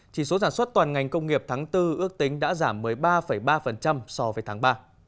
chỉ số sản xuất toàn ngành công nghiệp tháng bốn ước tính đã giảm một mươi ba ba so với tháng ba